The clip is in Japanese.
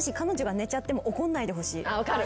分かる。